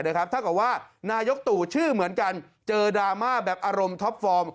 เท่ากับว่านายกตู่ชื่อเหมือนกันเจอดราม่าแบบอารมณ์ท็อปฟอร์ม